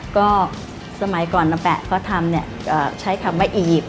ก็สมัยก่อนอะแปะเขาทำเนี่ยใช้คำว่าอีหยิบ